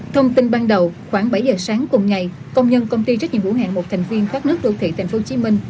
thông tin ban đầu khoảng bảy giờ sáng cùng ngày công nhân công ty trách nhiệm hữu hạng một thành viên thoát nước đô thị tp hcm